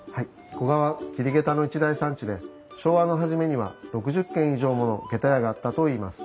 古河は桐げたの一大産地で昭和の初めには６０軒以上ものげた屋があったといいます。